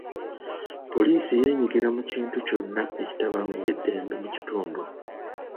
Poliisi yenyigira mu kintu kyonna ekitabangula eddembe mu kitundu.